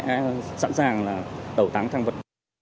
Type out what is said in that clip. thì là đối tượng sẽ sẵn sàng là tẩu táng thăng vật